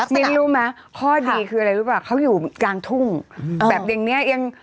มิ้นรู้ไหมข้อดีคืออะไรรู้ป่ะเขาอยู่กลางทุ่งแบบอย่างเนี้ยยัง